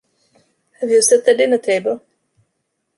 Have you set the dinner table?